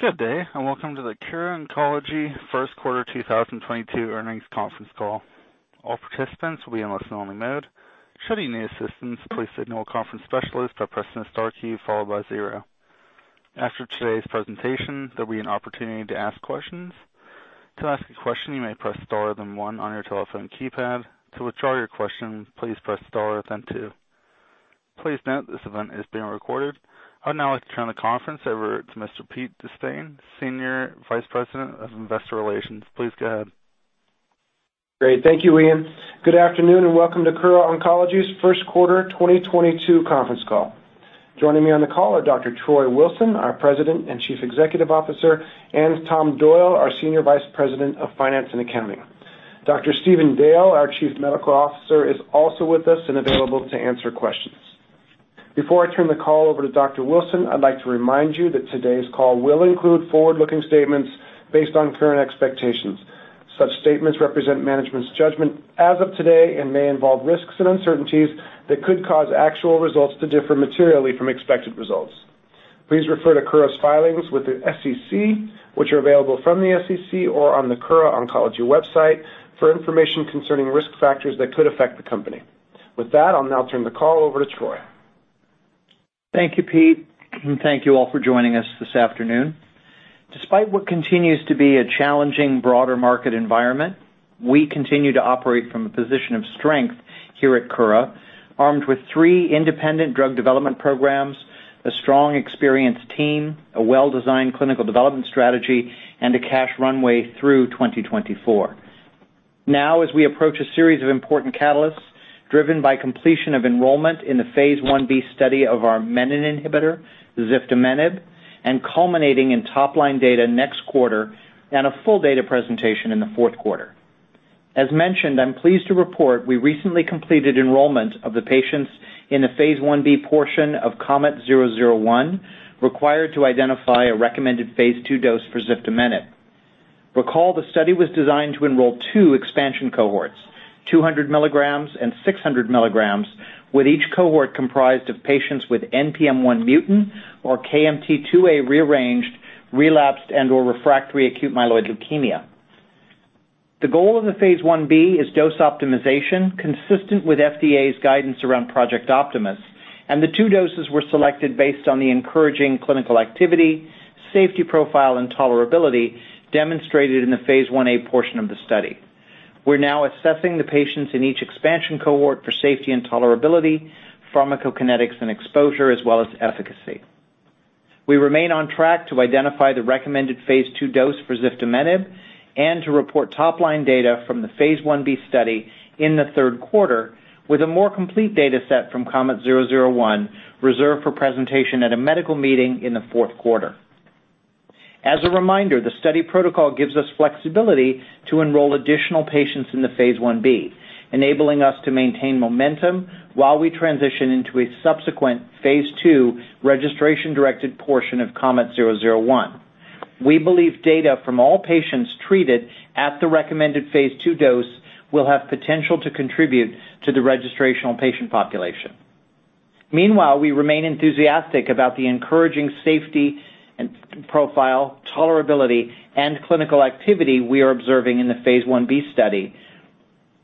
Good day, and welcome to the Kura Oncology First Quarter 2022 Earnings Conference Call. All participants will be in a listen-only mode. Should you need assistance, please signal a conference specialist by pressing the star key followed by zero. After today's presentation, there'll be an opportunity to ask questions. To ask a question, you may press star, then one on your telephone keypad. To withdraw your question, please press star, then two. Please note this event is being recorded. I'd now like to turn the conference over to Mr. Pete De Spain, Senior Vice President of Investor Relations. Please go ahead. Great. Thank you, Ian. Good afternoon, and welcome to Kura Oncology's First Quarter 2022 Conference Call. Joining me on the call are Dr. Troy Wilson, our President and Chief Executive Officer, and Tom Doyle, our Senior Vice President of Finance and Accounting. Dr. Stephen Dale, our Chief Medical Officer, is also with us and available to answer questions. Before I turn the call over to Dr. Wilson, I'd like to remind you that today's call will include forward-looking statements based on current expectations. Such statements represent management's judgment as of today and may involve risks and uncertainties that could cause actual results to differ materially from expected results. Please refer to Kura's filings with the SEC, which are available from the SEC or on the Kura Oncology website for information concerning risk factors that could affect the company. With that, I'll now turn the call over to Troy. Thank you, Pete, and thank you all for joining us this afternoon. Despite what continues to be a challenging broader market environment, we continue to operate from a position of strength here at Kura, armed with three independent drug development programs, a strong, experienced team, a well-designed clinical development strategy, and a cash runway through 2024. Now, as we approach a series of important catalysts driven by completion of enrollment in the Phase 1b study of our menin inhibitor, ziftomenib, and culminating in top-line data next quarter and a full data presentation in the fourth quarter. As mentioned, I'm pleased to report we recently completed enrollment of the patients in the Phase 1b portion of KOMET-001 required to identify a recommended Phase II dose for ziftomenib. Recall the study was designed to enroll two expansion cohorts, 200 milligrams and 600 milligrams, with each cohort comprised of patients with NPM1 mutant or KMT2A rearranged relapsed and/or refractory acute myeloid leukemia. The goal of the Phase 1b is dose optimization consistent with FDA's guidance around Project Optimus, and the two doses were selected based on the encouraging clinical activity, safety profile and tolerability demonstrated in the Phase 1a portion of the study. We're now assessing the patients in each expansion cohort for safety and tolerability, pharmacokinetics and exposure, as well as efficacy. We remain on track to identify the recommended Phase II dose for ziftomenib and to report top-line data from the Phase 1b study in the third quarter with a more complete data set from KOMET-001 reserved for presentation at a medical meeting in the fourth quarter. As a reminder, the study protocol gives us flexibility to enroll additional patients in the Phase 1b, enabling us to maintain momentum while we transition into a subsequent Phase II registration-directed portion of KOMET-001. We believe data from all patients treated at the recommended Phase II dose will have potential to contribute to the registrational patient population. Meanwhile, we remain enthusiastic about the encouraging safety and profile tolerability and clinical activity we are observing in the Phase 1b study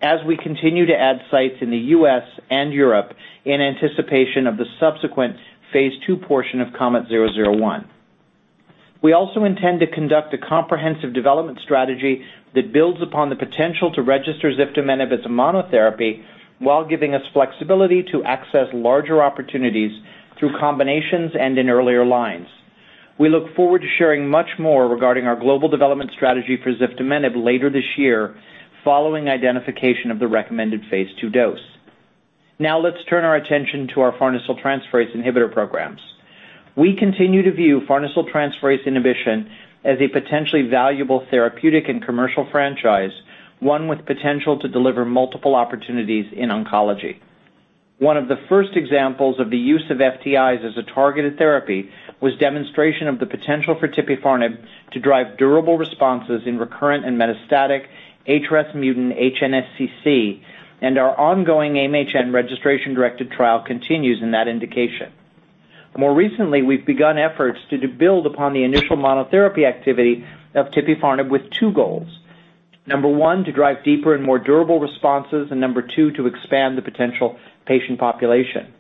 as we continue to add sites in the U.S. and Europe in anticipation of the subsequent Phase II portion of KOMET-001. We also intend to conduct a comprehensive development strategy that builds upon the potential to register ziftomenib as a monotherapy while giving us flexibility to access larger opportunities through combinations and in earlier lines. We look forward to sharing much more regarding our global development strategy for ziftomenib later this year following identification of the recommended Phase II dose. Now let's turn our attention to our farnesyltransferase inhibitor programs. We continue to view farnesyltransferase inhibition as a potentially valuable therapeutic and commercial franchise, one with potential to deliver multiple opportunities in oncology. One of the first examples of the use of FTIs as a targeted therapy was demonstration of the potential for tipifarnib to drive durable responses in recurrent and metastatic HRAS mutant HNSCC, and our ongoing AIM-HN registration-directed trial continues in that indication. More recently, we've begun efforts to build upon the initial monotherapy activity of tipifarnib with two goals. Number one, to drive deeper and more durable responses, and number two, to expand the potential patient population.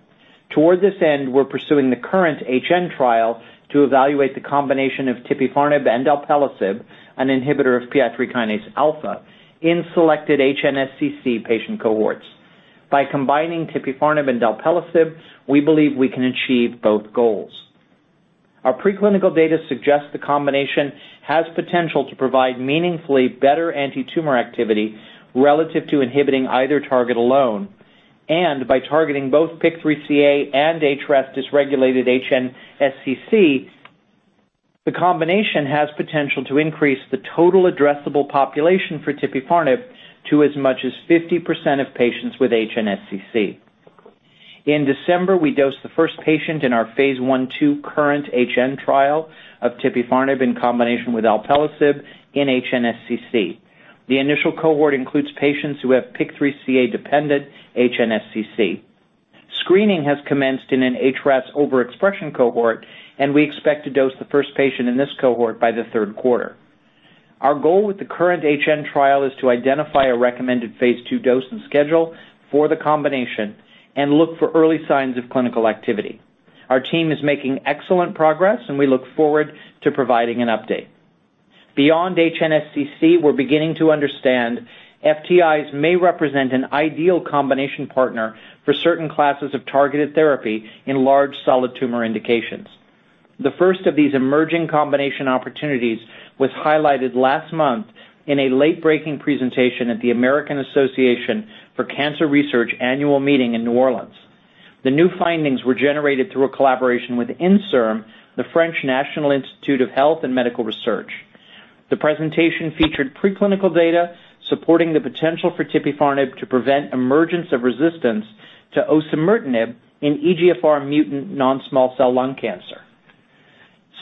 Toward this end, we're pursuing the KURRENT-HN trial to evaluate the combination of tipifarnib and alpelisib, an inhibitor of PI3 kinase alpha, in selected HNSCC patient cohorts. By combining tipifarnib and alpelisib, we believe we can achieve both goals. Our preclinical data suggests the combination has potential to provide meaningfully better antitumor activity relative to inhibiting either target alone. By targeting both PIK3CA and HRAS dysregulated HNSCC, the combination has potential to increase the total addressable population for tipifarnib to as much as 50% of patients with HNSCC. In December, we dosed the first patient in our Phase 1/2 KURRENT-HN trial of tipifarnib in combination with alpelisib in HNSCC. The initial cohort includes patients who have PIK3CA-dependent HNSCC. Screening has commenced in an HRAS overexpression cohort, and we expect to dose the first patient in this cohort by the third quarter. Our goal with the current HN trial is to identify a recommended Phase II dose and schedule for the combination and look for early signs of clinical activity. Our team is making excellent progress, and we look forward to providing an update. Beyond HNSCC, we're beginning to understand FTIs may represent an ideal combination partner for certain classes of targeted therapy in large solid tumor indications. The first of these emerging combination opportunities was highlighted last month in a late-breaking presentation at the American Association for Cancer Research annual meeting in New Orleans. The new findings were generated through a collaboration with Inserm, the French National Institute of Health and Medical Research. The presentation featured pre-clinical data supporting the potential for tipifarnib to prevent emergence of resistance to osimertinib in EGFR mutant non-small cell lung cancer.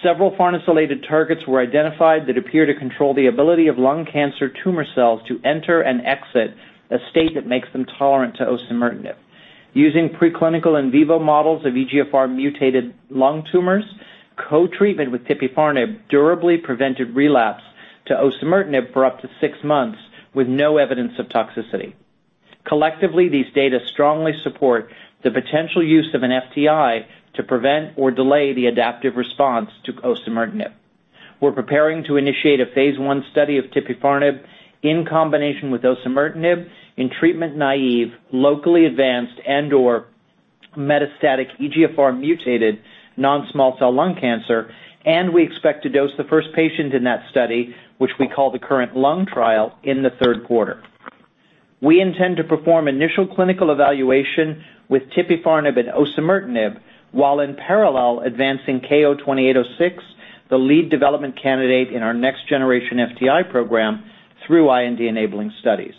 Several farnesylated targets were identified that appear to control the ability of lung cancer tumor cells to enter and exit a state that makes them tolerant to osimertinib. Using pre-clinical in vivo models of EGFR mutated lung tumors, co-treatment with tipifarnib durably prevented relapse to osimertinib for up to six months with no evidence of toxicity. Collectively, these data strongly support the potential use of an FTI to prevent or delay the adaptive response to osimertinib. We're preparing to initiate a Phase I study of tipifarnib in combination with osimertinib in treatment naive, locally advanced, and/or metastatic EGFR mutated non-small cell lung cancer, and we expect to dose the first patient in that study, which we call the KURRENT-LUNG trial, in the third quarter. We intend to perform initial clinical evaluation with tipifarnib and osimertinib while in parallel advancing KO-2806, the lead development candidate in our next generation FTI program through IND-enabling studies.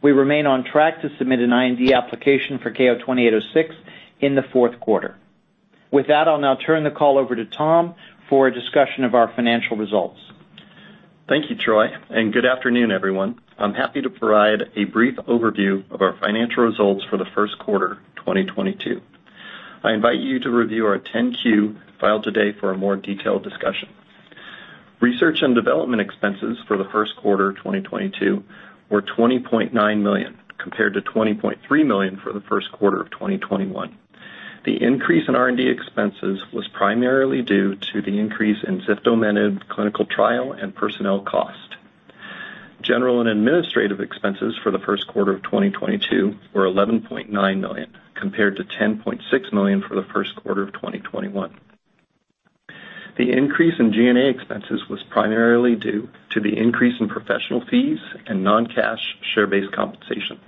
We remain on track to submit an IND application for KO-2806 in the fourth quarter. With that, I'll now turn the call over to Tom for a discussion of our financial results. Thank you, Troy, and good afternoon, everyone. I'm happy to provide a brief overview of our financial results for the first quarter 2022. I invite you to review our 10-Q filed today for a more detailed discussion. Research and development expenses for the first quarter 2022 were $20.9 million, compared to $20.3 million for the first quarter of 2021. The increase in R&D expenses was primarily due to the increase in ziftomenib clinical trial and personnel cost. General and administrative expenses for the first quarter of 2022 were $11.9 million, compared to $10.6 million for the first quarter of 2021. The increase in G&A expenses was primarily due to the increase in professional fees and non-cash share-based compensation.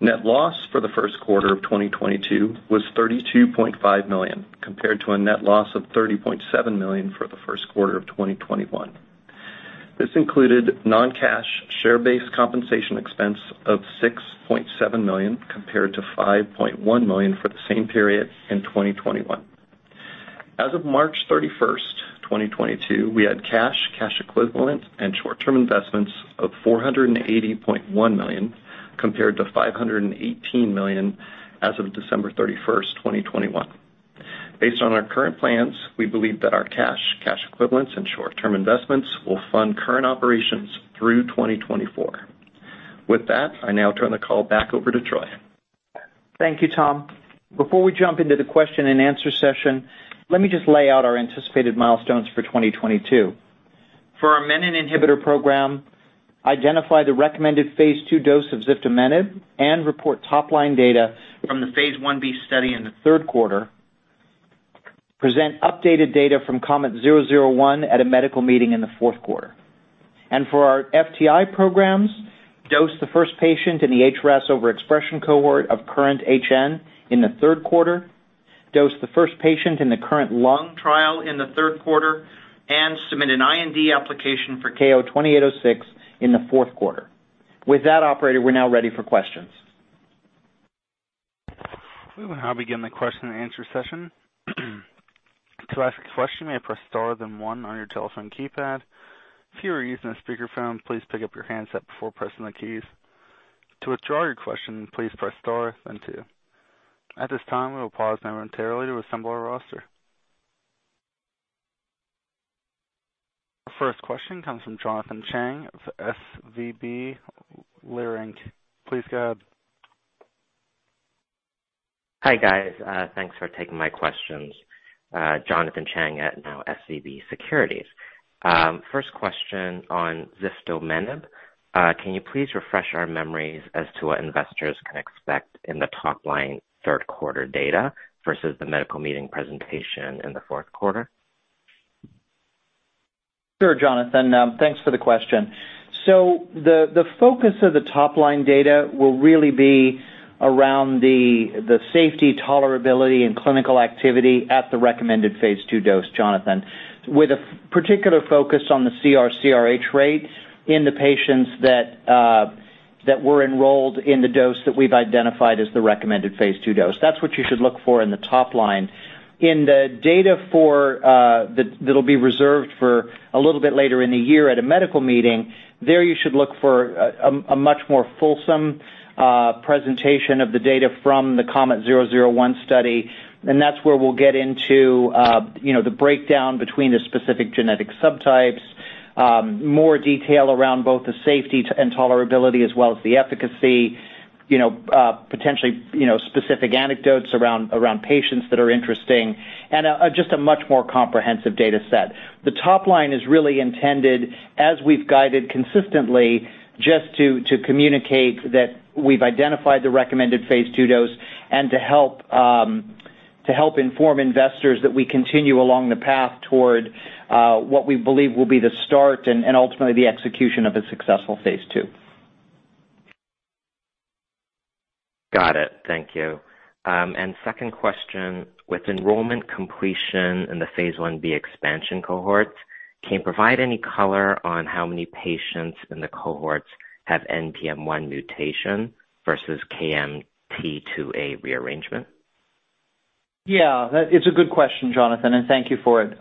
Net loss for the first quarter of 2022 was $32.5 million, compared to a net loss of $30.7 million for the first quarter of 2021. This included non-cash share-based compensation expense of $6.7 million, compared to $5.1 million for the same period in 2021. As of 31 March 2022, we had cash equivalents and short-term investments of $480.1 million, compared to $518 million as of 31 December 2021. Based on our current plans, we believe that our cash equivalents and short-term investments will fund current operations through 2024. With that, I now turn the call back over to Troy. Thank you, Tom. Before we jump into the question and answer session, let me just lay out our anticipated milestones for 2022. For our menin inhibitor program, identify the recommended phase II dose of ziftomenib and report top-line data from the Phase 1B study in the third quarter, present updated data from KOMET-001 at a medical meeting in the fourth quarter. For our FTI programs, dose the first patient in the HRAS overexpression cohort of KURRENT-HN in the third quarter, dose the first patient in the KURRENT-LUNG trial in the third quarter, and submit an IND application for KO-2806 in the fourth quarter. With that, operator, we're now ready for questions. We will now begin the question and answer session. To ask a question, you may press star then one on your telephone keypad. If you are using a speakerphone, please pick up your handset before pressing the keys. To withdraw your question, please press star then two. At this time, we will pause momentarily to assemble our roster. Our first question comes from Jonathan Chang of SVB Leerink. Please go ahead. Hi, guys. Thanks for taking my questions. Jonathan Chang at SVB Securities. First question on ziftomenib. Can you please refresh our memories as to what investors can expect in the top line third quarter data versus the medical meeting presentation in the fourth quarter? Sure, Jonathan, thanks for the question. The focus of the top line data will really be around the safety, tolerability and clinical activity at the recommended Phase II dose, Jonathan, with a particular focus on the CR/CRh rate in the patients that were enrolled in the dose that we've identified as the recommended Phase II dose. That's what you should look for in the top line. In the data, that'll be reserved for a little bit later in the year at a medical meeting. There you should look for a much more fulsome presentation of the data from the KOMET-001 study, and that's where we'll get into you know, the breakdown between the specific genetic subtypes, more detail around both the safety and tolerability as well as the efficacy, you know, potentially, you know, specific anecdotes around patients that are interesting and just a much more comprehensive data set. The top line is really intended, as we've guided consistently, just to communicate that we've identified the recommended Phase II dose and to help inform investors that we continue along the path toward what we believe will be the start and ultimately the execution of a successful Phase II. Got it. Thank you. Second question: With enrollment completion in the Phase 1b expansion cohort, can you provide any color on how many patients in the cohorts have NPM1 mutation versus KMT2A rearrangement? Yeah, it's a good question, Jonathan, and thank you for it.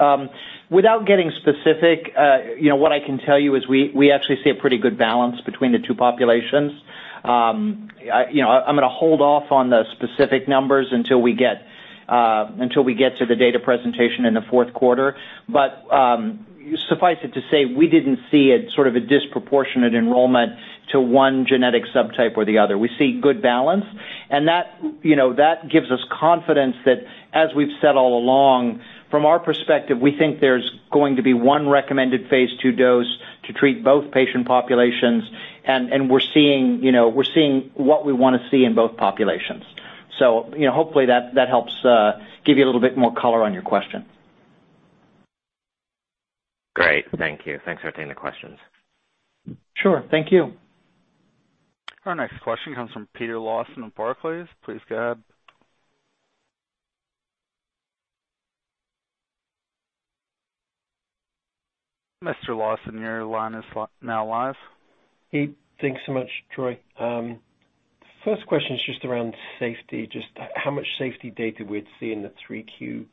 Without getting specific, you know, what I can tell you is we actually see a pretty good balance between the two populations. I you know, I'm gonna hold off on the specific numbers until we get to the data presentation in the fourth quarter. Suffice it to say, we didn't see a sort of a disproportionate enrollment to one genetic subtype or the other. We see good balance. That you know that gives us confidence that as we've said all along, from our perspective, we think there's going to be one recommended Phase II dose to treat both patient populations, and we're seeing you know, we're seeing what we wanna see in both populations. You know, hopefully that helps give you a little bit more color on your question. Great. Thank you. Thanks for taking the questions. Sure. Thank you. Our next question comes from Peter Lawson of Barclays. Please go ahead. Mr. Lawson, your line is now live. Hey, thanks so much, Troy. First question is just around safety. Just how much safety data we'd see in the 3Q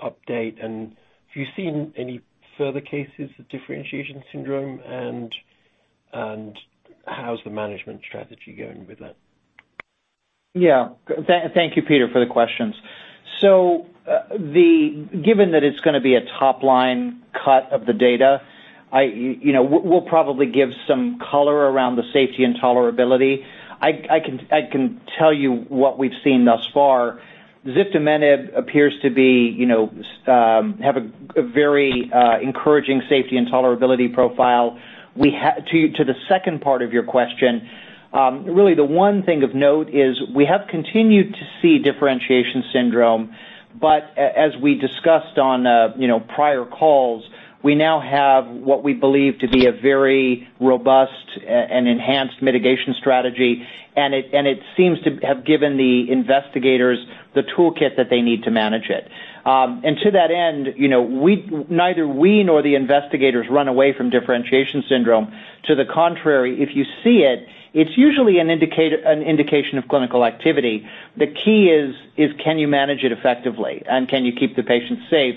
update. Have you seen any further cases of Differentiation Syndrome, and how's the management strategy going with that? Thank you, Peter, for the questions. Given that it's gonna be a top line cut of the data, we'll probably give some color around the safety and tolerability. I can tell you what we've seen thus far. Ziftomenib appears to have a very encouraging safety and tolerability profile. To the second part of your question, really the one thing of note is we have continued to see Differentiation Syndrome, but as we discussed on prior calls, we now have what we believe to be a very robust and enhanced mitigation strategy, and it seems to have given the investigators the toolkit that they need to manage it. To that end, you know, neither we nor the investigators run away from Differentiation Syndrome. To the contrary, if you see it's usually an indication of clinical activity. The key is, can you manage it effectively, and can you keep the patient safe?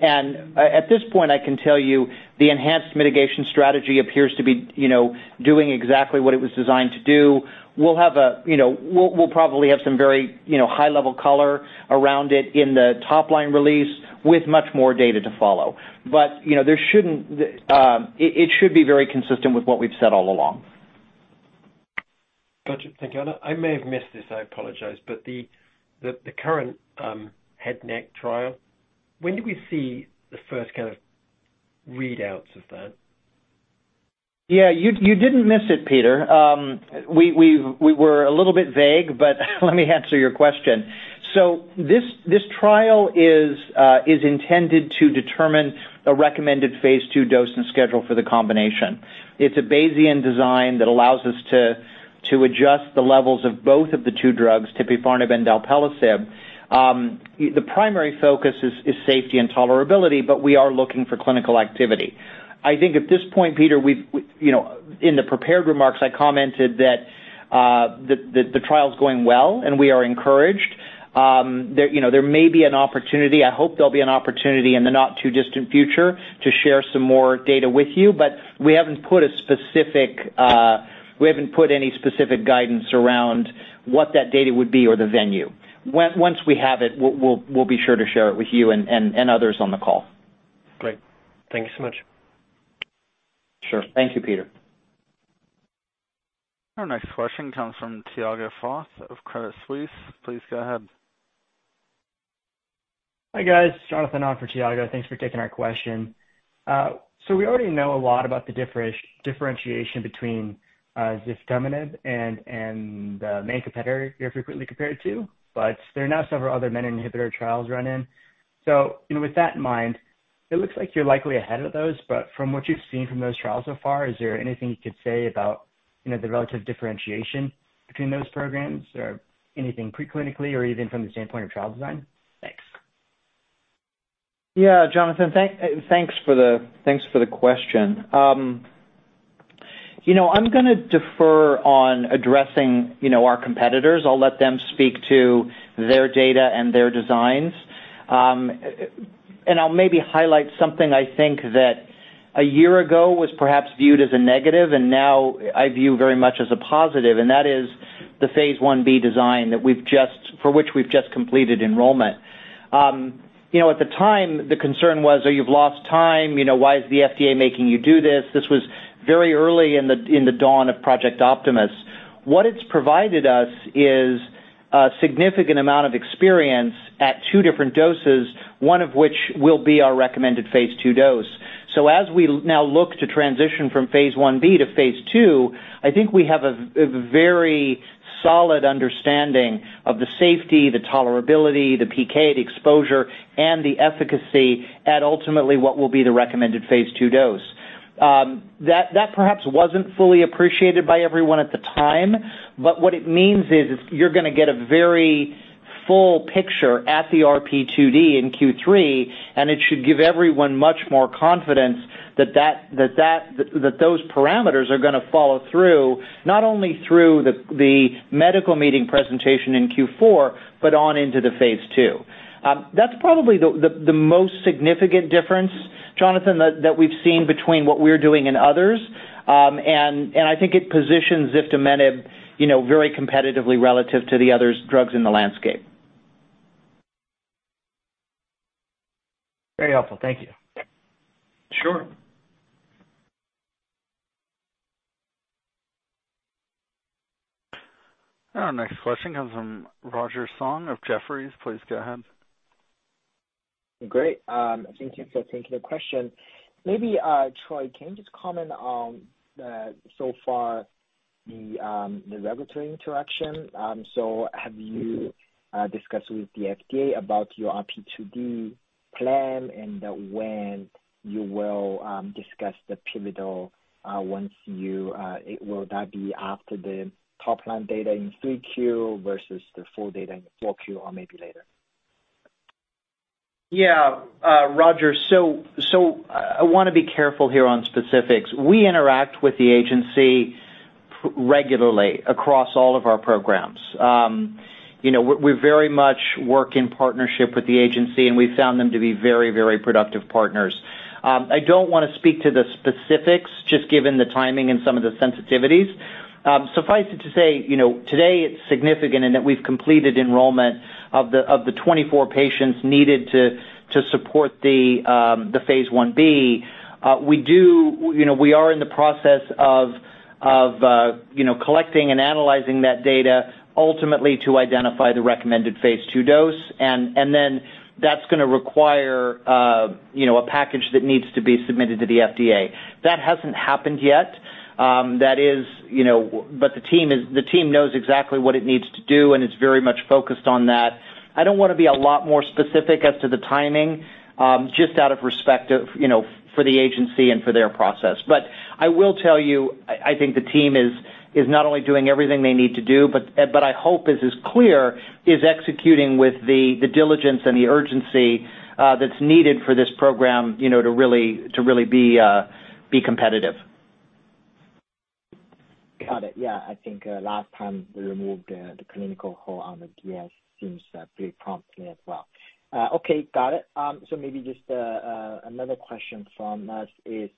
At this point, I can tell you the enhanced mitigation strategy appears to be, you know, doing exactly what it was designed to do. We'll probably have some very, you know, high-level color around it in the top-line release with much more data to follow. But, you know, there shouldn't, it should be very consistent with what we've said all along. Gotcha. Thank you. I may have missed this, I apologize, but the current head and neck trial, when do we see the first kind of readouts of that? Yeah. You didn't miss it, Peter. We were a little bit vague, but let me answer your question. This trial is intended to determine the recommended Phase II dose and schedule for the combination. It's a Bayesian design that allows us to adjust the levels of both of the two drugs, tipifarnib and alpelisib. The primary focus is safety and tolerability, but we are looking for clinical activity. I think at this point, Peter, we you know, in the prepared remarks, I commented that the trial's going well, and we are encouraged. You know, there may be an opportunity. I hope there'll be an opportunity in the not too distant future to share some more data with you, but we haven't put any specific guidance around what that data would be or the venue. Once we have it, we'll be sure to share it with you and others on the call. Great. Thank you so much. Sure. Thank you, Peter. Our next question comes from Tiago Fauth of Credit Suisse. Please go ahead. Hi, guys. Jonathan on for Tiago. Thanks for taking our question. We already know a lot about the differentiation between ziftomenib and the main competitor you're frequently compared to, but there are now several other menin inhibitor trials running. You know, with that in mind, it looks like you're likely ahead of those, but from what you've seen from those trials so far, is there anything you could say about the relative differentiation between those programs or anything pre-clinically or even from the standpoint of trial design? Thanks. Yeah. Jonathan, thanks for the question. You know, I'm gonna defer on addressing our competitors. I'll let them speak to their data and their designs. I'll maybe highlight something I think that a year ago was perhaps viewed as a negative, and now I view very much as a positive, and that is the Phase 1b design for which we've just completed enrollment. You know, at the time, the concern was that you've lost time, why is the FDA making you do this. This was very early in the dawn of Project Optimus. What it's provided us is a significant amount of experience at two different doses, one of which will be our recommended Phase II dose. As we now look to transition from Phase 1b to Phase II, I think we have a very solid understanding of the safety, the tolerability, the PK, the exposure, and the efficacy at ultimately what will be the recommended Phase II dose. That perhaps wasn't fully appreciated by everyone at the time, but what it means is you're gonna get a very full picture at the RP2D in Q3, and it should give everyone much more confidence that those parameters are gonna follow through, not only through the medical meeting presentation in Q4, but on into the Phase II. That's probably the most significant difference, Jonathan, that we've seen between what we're doing and others. I think it positions ziftomenib, you know, very competitively relative to the others' drugs in the landscape. Very helpful. Thank you. Sure. Our next question comes from Roger Song of Jefferies. Please go ahead. Great. Thank you for taking the question. Maybe, Troy, can you just comment on so far the regulatory interaction? Have you discussed with the FDA about your RP2D plan and when you will discuss the pivotal. Will that be after the top line data in 3Q versus the full data in 4Q or maybe later? Yeah. Roger, so I wanna be careful here on specifics. We interact with the agency pretty regularly across all of our programs. You know, we very much work in partnership with the agency, and we've found them to be very, very productive partners. I don't wanna speak to the specifics, just given the timing and some of the sensitivities. Suffice it to say, you know, today it's significant in that we've completed enrollment of the 24 patients needed to support the Phase 1b. We are in the process of collecting and analyzing that data ultimately to identify the recommended Phase II dose. Then that's gonna require a package that needs to be submitted to the FDA. That hasn't happened yet, that is, you know. The team knows exactly what it needs to do, and it's very much focused on that. I don't wanna be a lot more specific as to the timing, just out of respect of, you know, for the agency and for their process. I will tell you, I think the team is not only doing everything they need to do, but I hope as is clear, is executing with the diligence and the urgency that's needed for this program, you know, to really be competitive. Got it. Yeah. I think last time we removed the clinical hold on the DS seems pretty promptly as well. Okay. Got it. Maybe just another question from us. For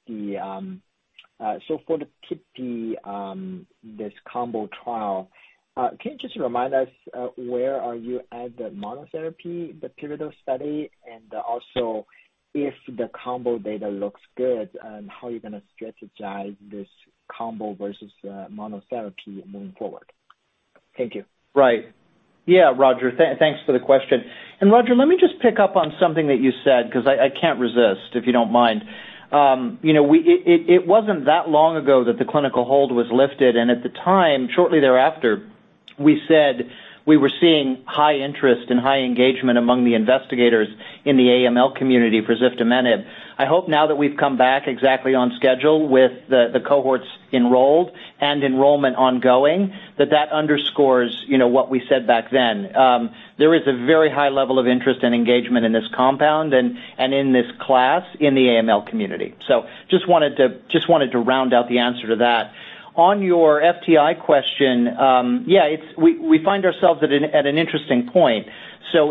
tipifarnib this combo trial, can you just remind us where are you at the monotherapy, the pivotal study, and also if the combo data looks good, how you're gonna strategize this combo versus monotherapy moving forward? Thank you. Right. Yeah, Roger, thanks for the question. Roger, let me just pick up on something that you said because I can't resist, if you don't mind. You know, we—It wasn't that long ago that the clinical hold was lifted, and at the time, shortly thereafter, we said we were seeing high interest and high engagement among the investigators in the AML community for ziftomenib. I hope now that we've come back exactly on schedule with the cohorts enrolled and enrollment ongoing, that underscores, you know, what we said back then. There is a very high level of interest and engagement in this compound and in this class in the AML community. Just wanted to round out the answer to that. On your FTI question, yeah, we find ourselves at an interesting point.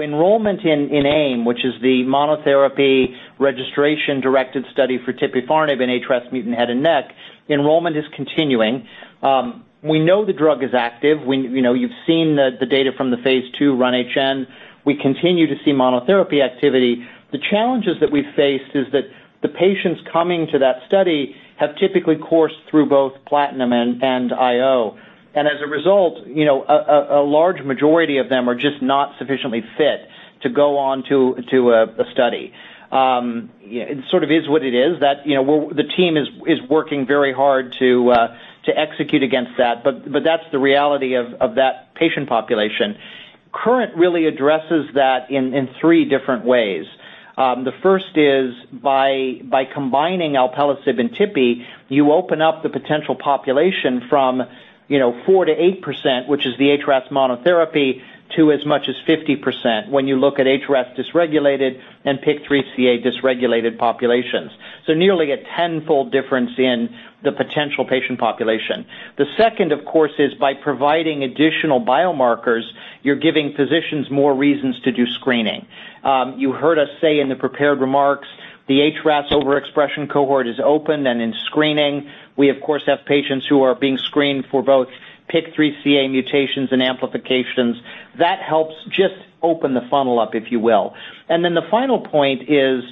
Enrollment in AIM, which is the monotherapy registration-directed study for tipifarnib in HRAS-mutant head and neck, enrollment is continuing. We know the drug is active. You know, you've seen the data from the Phase II RUN-HN. We continue to see monotherapy activity. The challenges that we faced is that the patients coming to that study have typically coursed through both platinum and IO. As a result, you know, a large majority of them are just not sufficiently fit to go on to a study. It sort of is what it is. You know, the team is working very hard to execute against that, but that's the reality of that patient population. KURRENT really addresses that in three different ways. The first is by combining alpelisib and Tipi, you open up the potential population from, you know, 4%-8%, which is the HRAS monotherapy to as much as 50% when you look at HRAS dysregulated and PIK3CA dysregulated populations. Nearly a tenfold difference in the potential patient population. The second, of course, is by providing additional biomarkers, you're giving physicians more reasons to do screening. You heard us say in the prepared remarks, the HRAS overexpression cohort is open, and in screening, we of course have patients who are being screened for both PIK3CA mutations and amplifications. That helps just open the funnel up, if you will. The final point is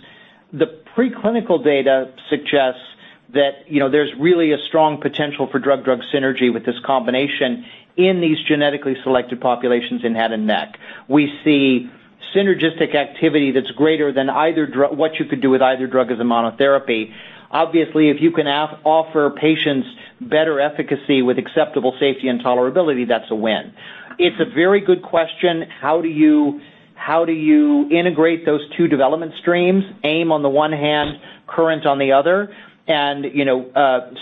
the preclinical data suggests that, you know, there's really a strong potential for drug-drug synergy with this combination in these genetically selected populations in head and neck. We see synergistic activity that's greater than what you could do with either drug as a monotherapy. Obviously, if you can offer patients better efficacy with acceptable safety and tolerability, that's a win. It's a very good question, how do you integrate those two development streams, AIM on the one hand, KURRENT on the other.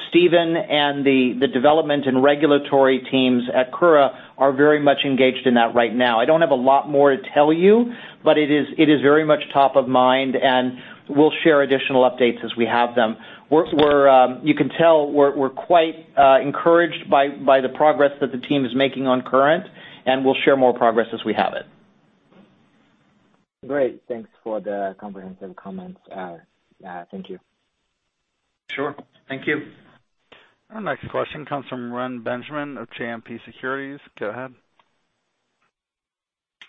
Stephen and the development and regulatory teams at Kura are very much engaged in that right now. I don't have a lot more to tell you, but it is very much top of mind, and we'll share additional updates as we have them. You can tell we're quite encouraged by the progress that the team is making on Kurrent, and we'll share more progress as we have it. Great. Thanks for the comprehensive comments. Thank you. Sure. Thank you. Our next question comes from Reni Benjamin of JMP Securities. Go ahead.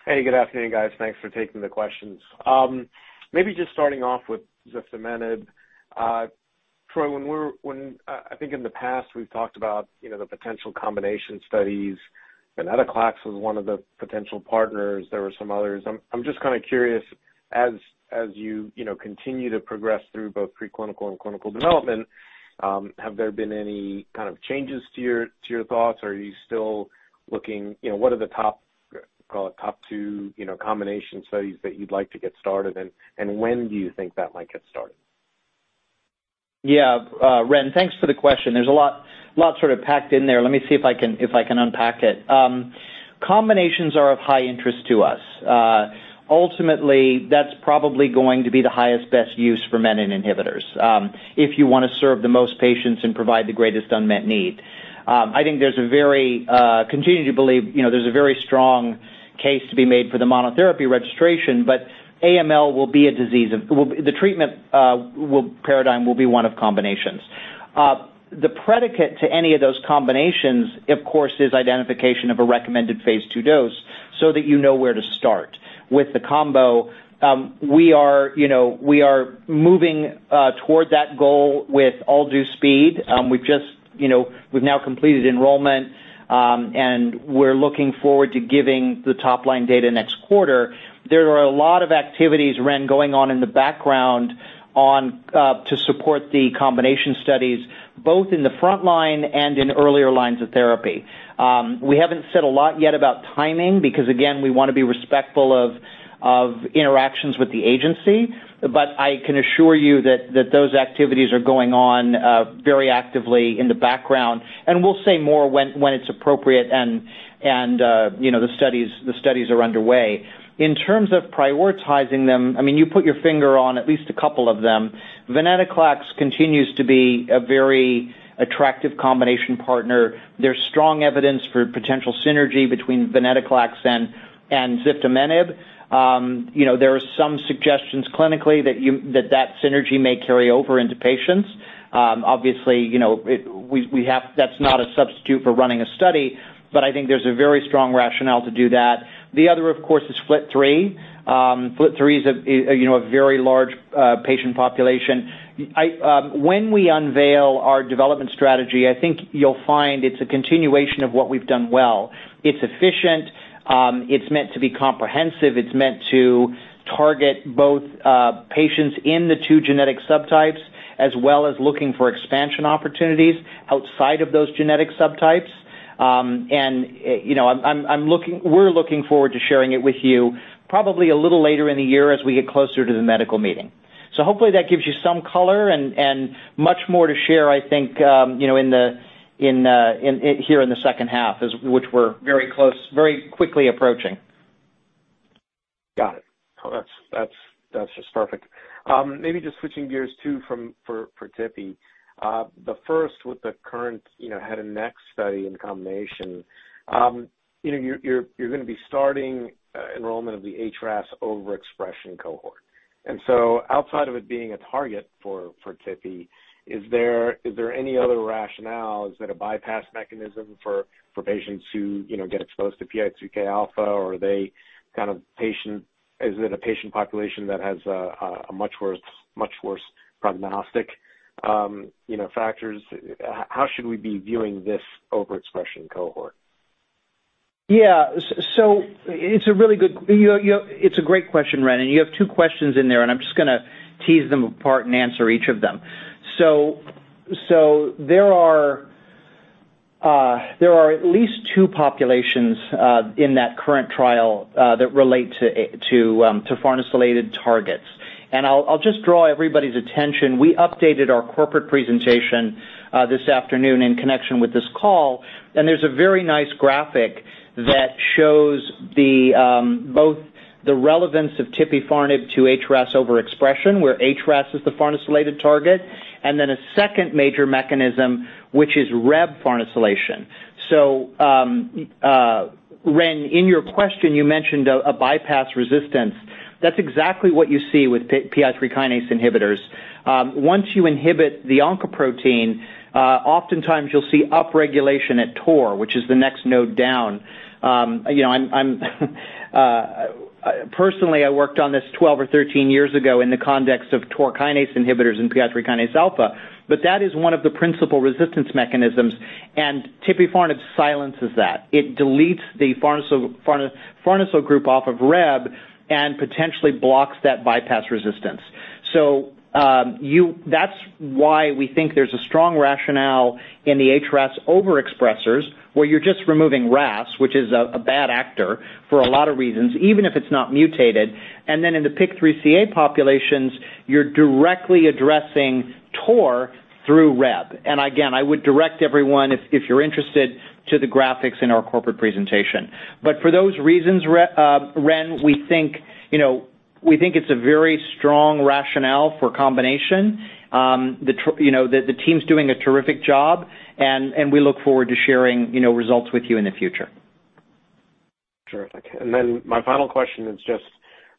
Hey, good afternoon, guys. Thanks for taking the questions. Maybe just starting off with ziftomenib. Troy, when we're when I think in the past, we've talked about, you know, the potential combination studies. Venetoclax was one of the potential partners. There were some others. I'm just kinda curious, as you know, continue to progress through both preclinical and clinical development, have there been any kind of changes to your thoughts? Are you still looking. You know, what are the top, call it top two, you know, combination studies that you'd like to get started, and when do you think that might get started? Yeah. Reni, thanks for the question. There's a lot sort of packed in there. Let me see if I can unpack it. Combinations are of high interest to us. Ultimately, that's probably going to be the highest best use for menin inhibitors, if you wanna serve the most patients and provide the greatest unmet need. I continue to believe, you know, there's a very strong case to be made for the monotherapy registration, but AML will be a disease of well, the treatment paradigm will be one of combinations. The predicate to any of those combinations, of course, is identification of a recommended Phase II dose so that you know where to start. With the combo, we are, you know, moving toward that goal with all due speed. We've just, you know, now completed enrollment, and we're looking forward to giving the top-line data next quarter. There are a lot of activities, Ren, going on in the background on to support the combination studies, both in the front line and in earlier lines of therapy. We haven't said a lot yet about timing because, again, we wanna be respectful of interactions with the agency. I can assure you that those activities are going on very actively in the background, and we'll say more when it's appropriate and, you know, the studies are underway. In terms of prioritizing them, I mean, you put your finger on at least a couple of them. Venetoclax continues to be a very attractive combination partner. There's strong evidence for potential synergy between venetoclax and ziftomenib. You know, there are some suggestions clinically that synergy may carry over into patients. Obviously, you know, that's not a substitute for running a study, but I think there's a very strong rationale to do that. The other, of course, is FLT3. FLT3 is you know, a very large patient population. When we unveil our development strategy, I think you'll find it's a continuation of what we've done well. It's efficient. It's meant to be comprehensive. It's meant to target both patients in the two genetic subtypes as well as looking for expansion opportunities outside of those genetic subtypes. You know, we're looking forward to sharing it with you probably a little later in the year as we get closer to the medical meeting. Hopefully that gives you some color and much more to share, I think, you know, in the second half as which we're very close, very quickly approaching. Got it. Oh, that's just perfect. Maybe just switching gears too from the KURRENT for Tipi. The KURRENT, you know, head and neck study in combination. You know, you're gonna be starting enrollment of the HRAS overexpression cohort. Outside of it being a target for Tipi, is there any other rationale? Is it a bypass mechanism for patients who, you know, get exposed to PI3Kα or are they kind of a patient population that has a much worse prognostic factors? How should we be viewing this overexpression cohort? It's a great question, Reni, and you have two questions in there, and I'm just gonna tease them apart and answer each of them. There are at least two populations in that current trial that relate to farnesylated targets. I'll just draw everybody's attention. We updated our corporate presentation this afternoon in connection with this call, and there's a very nice graphic that shows both the relevance of tipifarnib to HRAS overexpression, where HRAS is the farnesylated target, and then a second major mechanism, which is Rab farnesylation. Reni, in your question, you mentioned a bypass resistance. That's exactly what you see with PI3-kinase inhibitors. Once you inhibit the oncoprotein, oftentimes you'll see upregulation at mTOR, which is the next node down. You know, I'm personally I worked on this 12 or 13 years ago in the context of mTOR kinase inhibitors and PI3-kinase alpha, but that is one of the principal resistance mechanisms, and tipifarnib silences that. It deletes the farnesyl group off of Rab and potentially blocks that bypass resistance. That's why we think there's a strong rationale in the HRAS overexpressers, where you're just removing RAS, which is a bad actor for a lot of reasons, even if it's not mutated. In the PIK3CA populations, you're directly addressing mTOR through Rab. Again, I would direct everyone, if you're interested, to the graphics in our corporate presentation. For those reasons, Ren, we think, you know, we think it's a very strong rationale for combination. You know, the team's doing a terrific job, and we look forward to sharing, you know, results with you in the future. Terrific. Then my final question is just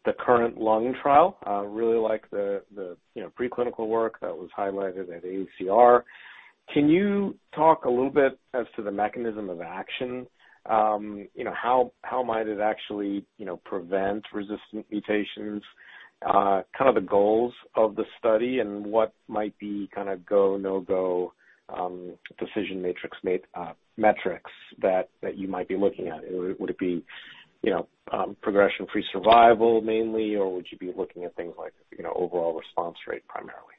the current lung trial. I really like the preclinical work that was highlighted at ACR. Can you talk a little bit as to the mechanism of action? You know, how might it actually prevent resistant mutations, kind of the goals of the study and what might be kind of go, no-go decision matrix metrics that you might be looking at? Would it be progression-free survival mainly, or would you be looking at things like overall response rate primarily?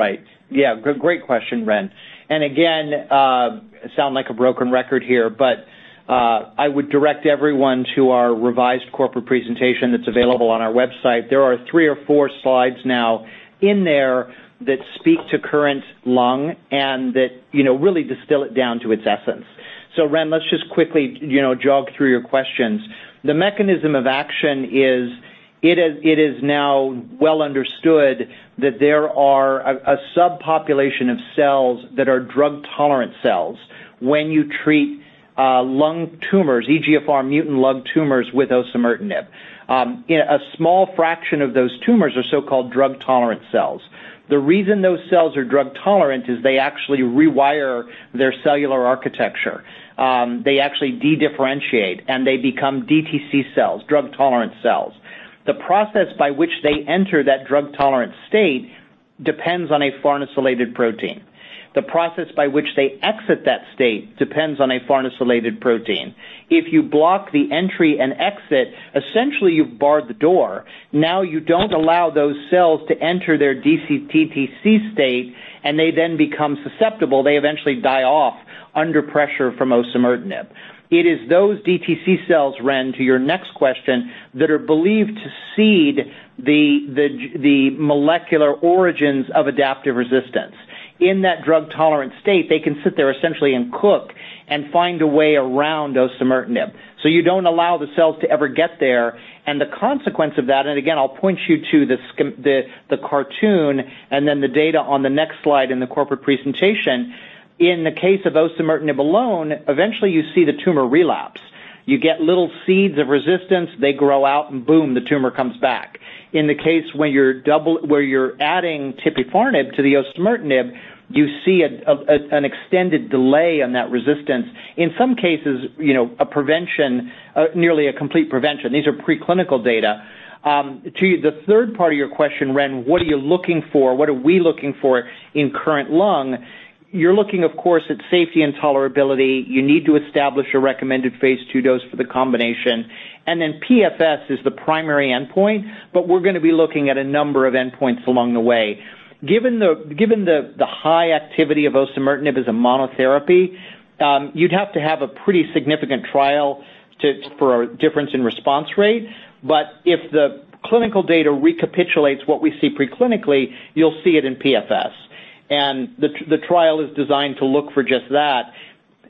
Right. Yeah. Great question, Ren. Again, sound like a broken record here, but I would direct everyone to our revised corporate presentation that's available on our website. There are three or four slides now in there that speak to KURRENT-LUNG and that, you know, really distill it down to its essence. Ren, let's just quickly, you know, jog through your questions. The mechanism of action is it is now well understood that there are a subpopulation of cells that are drug-tolerant cells when you treat lung tumors, EGFR mutant lung tumors with osimertinib. A small fraction of those tumors are so-called drug-tolerant cells. The reason those cells are drug-tolerant is they actually rewire their cellular architecture. They actually dedifferentiate, and they become DTC cells, drug-tolerant cells. The process by which they enter that drug-tolerant state depends on a farnesylated protein. The process by which they exit that state depends on a farnesylated protein. If you block the entry and exit, essentially, you've barred the door. Now you don't allow those cells to enter their DTC state, and they then become susceptible. They eventually die off under pressure from osimertinib. It is those DTC cells, Ren, to your next question, that are believed to seed the molecular origins of adaptive resistance. In that drug-tolerant state, they can sit there essentially and cook and find a way around osimertinib. You don't allow the cells to ever get there, and the consequence of that, and again, I'll point you to the cartoon and then the data on the next slide in the corporate presentation. In the case of osimertinib alone, eventually you see the tumor relapse. You get little seeds of resistance, they grow out, and boom, the tumor comes back. In the case where you're adding tipifarnib to the osimertinib, you see an extended delay on that resistance. In some cases, you know, a prevention, nearly a complete prevention. These are preclinical data. To the third part of your question, Ren, what are you looking for? What are we looking for in KURRENT-LUNG? You're looking, of course, at safety and tolerability. You need to establish a recommended Phase II dose for the combination. PFS is the primary endpoint, but we're gonna be looking at a number of endpoints along the way. Given the high activity of osimertinib as a monotherapy, you'd have to have a pretty significant trial for a difference in response rate. If the clinical data recapitulates what we see preclinically, you'll see it in PFS. The trial is designed to look for just that.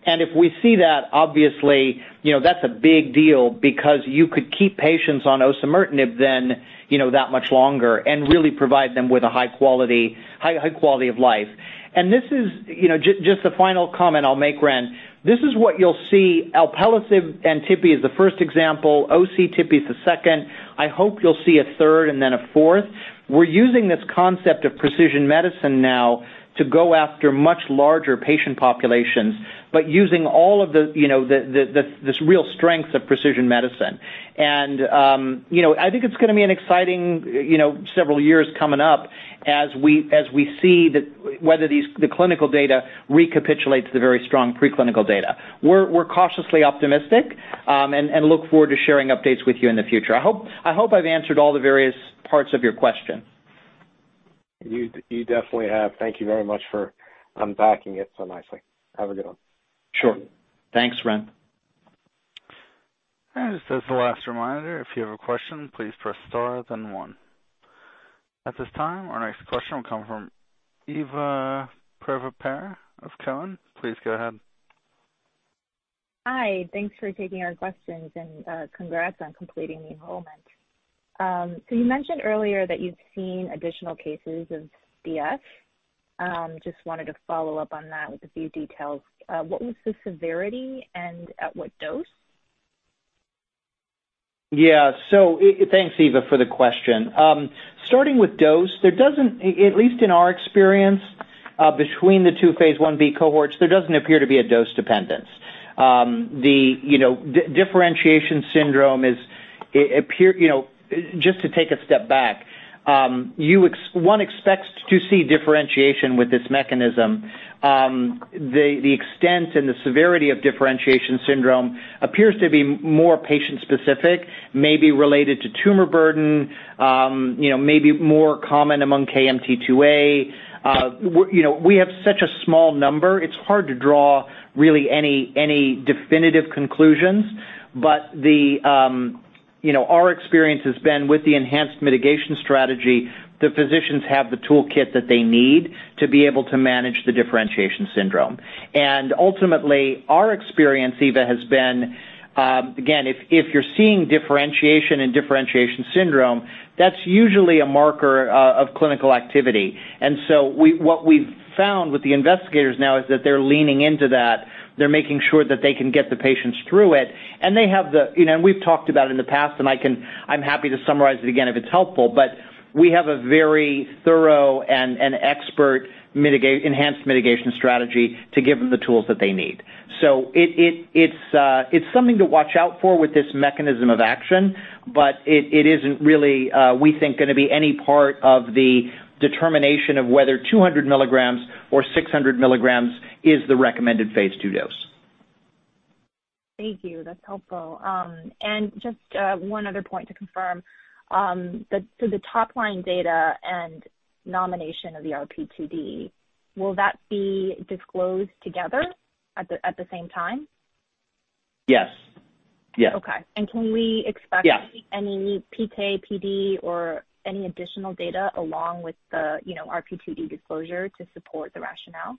If we see that, obviously, you know, that's a big deal because you could keep patients on osimertinib then, you know, that much longer and really provide them with a high quality of life. This is, you know, just a final comment I'll make, Ren. This is what you'll see. alpelisib and tipi is the first example, Osi-Tipi is the second. I hope you'll see a third and then a fourth. We're using this concept of precision medicine now to go after much larger patient populations, but using all of the, you know, this real strength of precision medicine. You know, I think it's gonna be an exciting, you know, several years coming up as we see whether the clinical data recapitulates the very strong preclinical data. We're cautiously optimistic and look forward to sharing updates with you in the future. I hope I've answered all the various parts of your question. You definitely have. Thank you very much for unpacking it so nicely. Have a good one. Sure. Thanks, Reni. This is the last reminder. If you have a question, please press star, then one. At this time, our next question will come from Yeva Petrushka of Cowen. Please go ahead. Hi. Thanks for taking our questions, and congrats on completing the enrollment. You mentioned earlier that you've seen additional cases of DF. Just wanted to follow up on that with a few details. What was the severity and at what dose? Thanks, Yeva, for the question. Starting with dose, there doesn't, at least in our experience, between the two Phase 1b cohorts, there doesn't appear to be a dose dependence. You know, differentiation syndrome is, it appears, you know, just to take a step back, one expects to see differentiation with this mechanism. The extent and the severity of Differentiation Syndrome appears to be more patient specific, maybe related to tumor burden, you know, maybe more common among KMT2A. You know, we have such a small number, it's hard to draw really any definitive conclusions, but you know, our experience has been with the enhanced mitigation strategy, the physicians have the toolkit that they need to be able to manage the Differentiation Syndrome. Ultimately, our experience, Eva, has been, again, if you're seeing differentiation and Differentiation Syndrome, that's usually a marker of clinical activity. What we've found with the investigators now is that they're leaning into that. They're making sure that they can get the patients through it, and they have the, and we've talked about in the past, and I can, I'm happy to summarize it again if it's helpful, but we have a very thorough and expert mitigation, enhanced mitigation strategy to give them the tools that they need. It's something to watch out for with this mechanism of action, but it isn't really, we think gonna be any part of the determination of whether 200 milligrams or 600 milligrams is the recommended Phase II dose. Thank you. That's helpful. Just one other point to confirm, so the top line data and nomination of the RP2D, will that be disclosed together at the same time? Yes. Yes. Okay. Can we expect- Yes. Any PK/PD or any additional data along with the, you know, RP2D disclosure to support the rationale?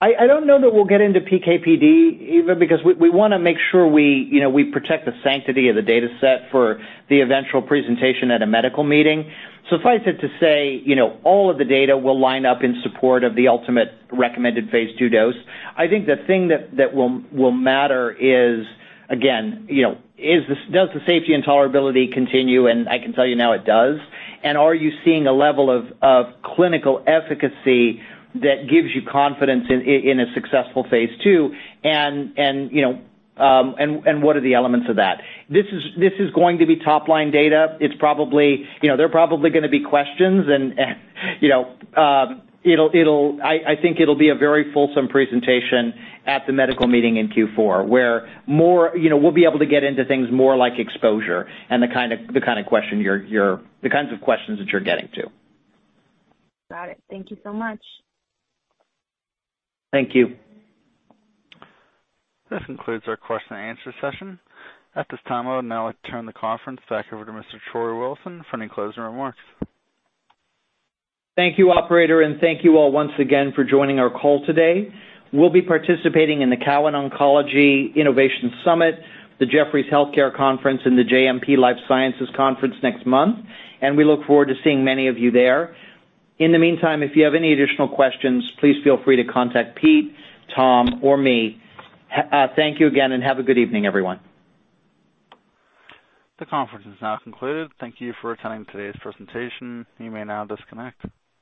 I don't know that we'll get into PK/PD, Eva, because we wanna make sure we, you know, we protect the sanctity of the data set for the eventual presentation at a medical meeting. Suffice it to say, you know, all of the data will line up in support of the ultimate recommended Phase II dose. I think the thing that will matter is, again, you know, does the safety and tolerability continue? I can tell you now it does. Are you seeing a level of clinical efficacy that gives you confidence in a successful Phase II? And, you know, what are the elements of that? This is going to be top-line data. It's probably, you know, there are probably gonna be questions and, you know, I think it'll be a very fulsome presentation at the medical meeting in Q4, where more, you know, we'll be able to get into things more like exposure and the kinds of questions that you're getting to. Got it. Thank you so much. Thank you. This concludes our question and answer session. At this time, I would now like to turn the conference back over to Mr. Troy Wilson for any closing remarks. Thank you, operator, and thank you all once again for joining our call today. We'll be participating in the Cowen Oncology Innovation Summit, the Jefferies Healthcare Conference, and the JMP Life Sciences Conference next month, and we look forward to seeing many of you there. In the meantime, if you have any additional questions, please feel free to contact Pete, Tom, or me. Thank you again, and have a good evening, everyone. The conference is now concluded. Thank you for attending today's presentation. You may now disconnect.